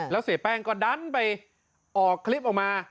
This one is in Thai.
แล้วเสียแป้งก็ดันไปออกคลิปออกมา